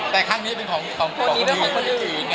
แต่ข้างนี้เป็นของคนอื่น